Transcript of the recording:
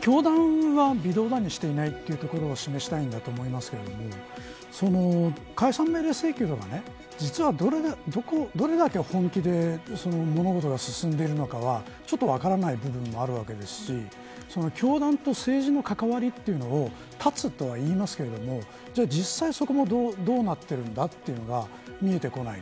教団は微動だにしていないことを示したいんだと思いますが解散命令請求とか実は、どれだけ本気で物事が進んでいるのかちょっと分からない部分もあるわけですし教団と政治の関わりというものを断つとは言いますが実際、そこもどうなっているんだというのが見えてこない。